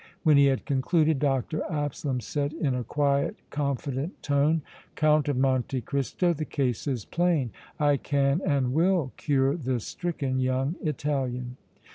When he had concluded Dr. Absalom said, in a quiet, confident tone: "Count of Monte Cristo, the case is plain. I can and will cure this stricken young Italian!"